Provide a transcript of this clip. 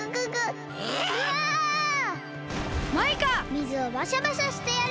水をバシャバシャしてやる！